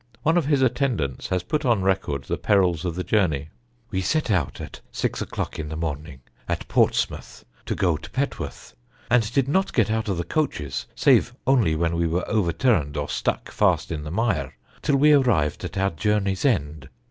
One of his attendants has put on record the perils of the journey: "We set out at six o'clock in the morning (at Portsmouth) to go to Petworth, and did not get out of the coaches, save only when we were overturned or stuck fast in the mire, till we arrived at our journey's end.